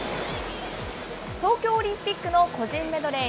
東京オリンピックの個人メドレー